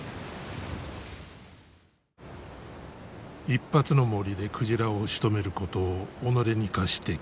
一発の銛で鯨をしとめることを己に課してきた槇。